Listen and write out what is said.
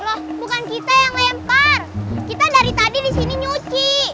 loh bukan kita yang lempar kita dari tadi di sini nyuci